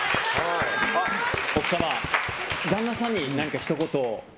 奥様、旦那様に何かひと言。